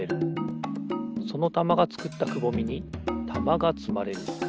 そのたまがつくったくぼみにたまがつまれる。